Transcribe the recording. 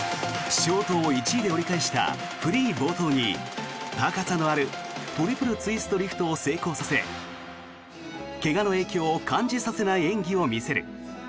ショートを１位で折り返したフリー冒頭に高さのあるトリプルツイストリフトを成功させ怪我の影響を感じさせない演技を見せる。